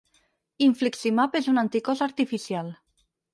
Infliximab és un anticòs artificial.